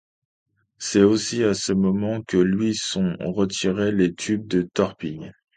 C'est aussi à ce moment que lui sont retirés les tubes de torpilles.